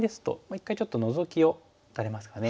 一回ちょっとノゾキを打たれますかね。